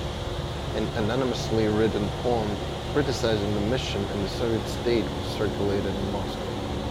An anonymously-written poem criticizing the mission and the Soviet state was circulated in Moscow.